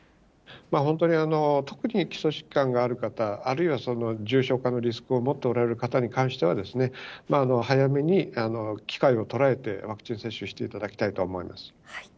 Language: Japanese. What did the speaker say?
本当に特に基礎疾患がある方、あるいは重症化のリスクを持っておられる方に関しては、早めに機会を捉えて、ワクチン接種していただきたいと思います。